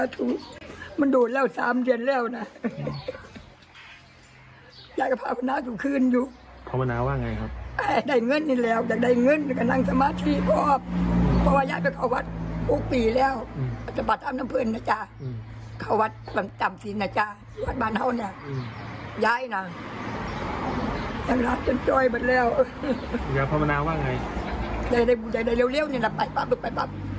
แต่เร็วนี่เราไปปั๊บปั๊บ